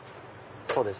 そうです。